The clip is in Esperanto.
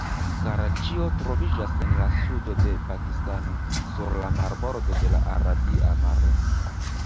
Karaĉio troviĝas en la sudo de Pakistano, sur la marbordo de la Arabia Maro.